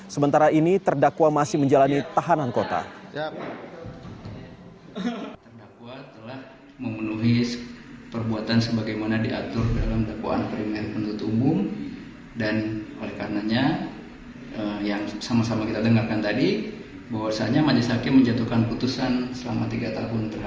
sementara ini terdakwa masih menjalani tahanan kota